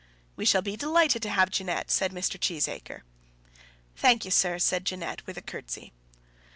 "We shall be delighted to have Jeanette," said Mr. Cheesacre. "Thank ye, sir," said Jeannette, with a curtsey.